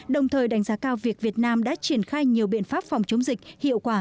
đồng thời đánh giá cao việc việt nam đã triển khai nhiều biện pháp phòng chống dịch hiệu quả